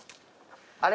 あれ？